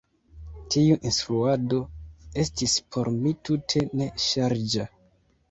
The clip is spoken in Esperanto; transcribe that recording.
Tiu instruado estis por mi tute ne ŝarĝa.